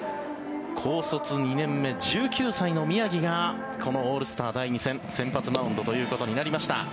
高卒２年目、１９歳の宮城がこのオールスター第２戦先発マウンドということになりました。